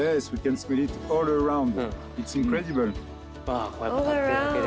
ああこうやって立ってるだけで。